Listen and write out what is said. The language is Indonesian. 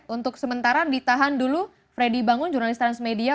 untuk sementara ditahan dulu freddy bangun jurnalis transmedia